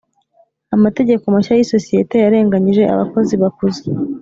amategeko mashya yisosiyete yarenganyije abakozi bakuze.